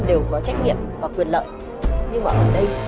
em vào đây